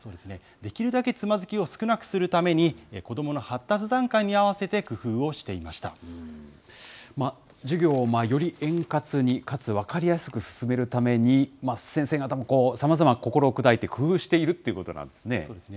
できるだけつまずきを少なくするために、子どもの発達段階に合わせて工夫をして授業をより円滑に、かつ分かりやすく進めるために、先生方もさまざま、心砕いて工夫しているそうですね。